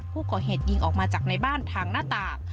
ผู้ก่อเหตุยิงออกมาจากในบ้านทางหน้าต่าง